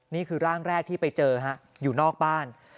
นี่คือร่างแรกที่ไปเจอฮะอยู่นอกบ้าน